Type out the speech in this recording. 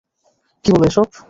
কী বলো এসব?